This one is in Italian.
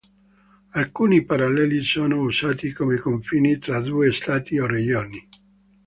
Alcuni paralleli sono usati come confini tra due Stati o regioni.